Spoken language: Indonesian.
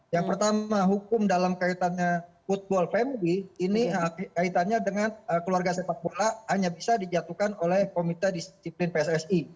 yang pertama hukum dalam kaitannya football family ini kaitannya dengan keluarga sepak bola hanya bisa dijatuhkan oleh komite disiplin pssi